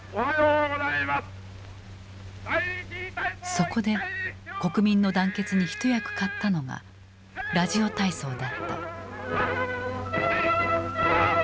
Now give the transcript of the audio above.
そこで国民の団結に一役買ったのがラジオ体操だった。